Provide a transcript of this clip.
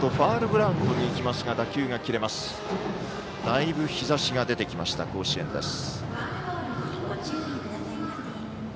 だいぶ日ざしが出てきました甲子園です。